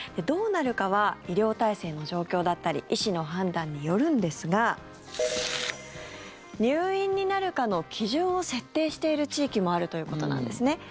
どうなるかは医療体制の状況だったり医師の判断によるんですが入院になるかの基準を設定している地域もあるということなんですね。